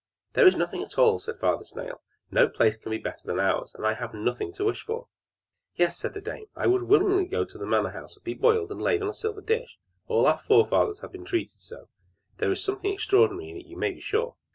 "There is nothing at all," said Father Snail. "No place can be better than ours, and I have nothing to wish for!" "Yes," said the dame. "I would willingly go to the manorhouse, be boiled, and laid on a silver dish; all our forefathers have been treated so; there is something extraordinary in it, you may be sure!"